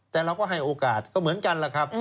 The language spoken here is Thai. แต่เราก็ให้โอกาสก็เหมือนกันแหละครับ